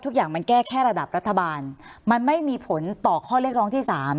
ทุกอย่างมันแก้แค่ระดับรัฐบาลมันไม่มีผลต่อข้อเรียกร้องที่๓